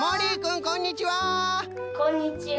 こんにちは！